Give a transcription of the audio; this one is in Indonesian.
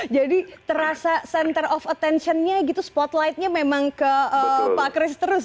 jadi terasa center of attention nya spotlight nya memang ke pak kris terus